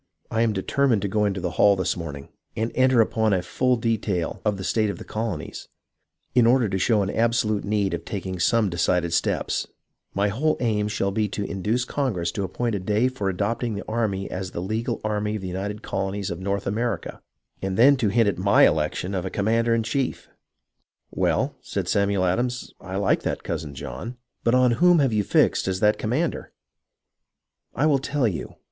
"I am determined to go into the hall this morning, and enter upon a full detail of the state of the colonies, in order to show an absolute need of taking some decided steps. My whole aim shall be to induce Congress to appoint a day for adopting the army as the legal army > ai y «=; o o ,_^ H "u 2; & 0 «" s G ^>>^<* M oi [JL^ ■^ 2 'n a Q. 0 n THE CHOICE OF A COMMANDER 45 of these United Colonies of North America, and then to hint at my election of a commander in chief." "Well," said Samuel Adams, " I like that, Cousin John; but on whom have you fixed as that commander?" " I will tell you.